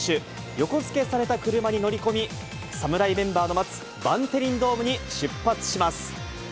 横付けされた車に乗り込み、侍メンバーの待つバンテリンドームに出発します。